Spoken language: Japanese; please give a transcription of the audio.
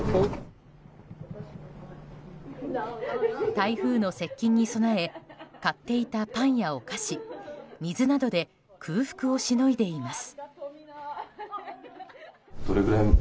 台風の接近に備え買っていたパンやお菓子、水などで空腹をしのいでいます。